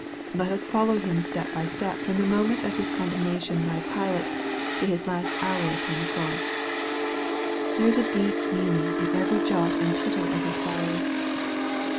Let us follow Him step by step from the moment of His condemnation by Pilate to His last hour upon the cross. There is a deep meaning in every jot and tittle of His sorrows.